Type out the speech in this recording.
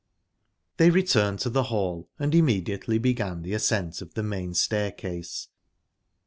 They returned to the hall, and immediately began the ascent of the main staircase.